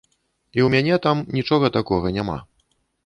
І ў мяне там нічога такога няма.